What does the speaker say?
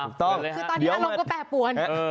คือตอนที่อารมณ์ก็แปรปวน